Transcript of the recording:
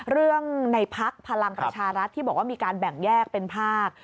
ในพักพลังประชารัฐที่บอกว่ามีการแบ่งแยกเป็นภาค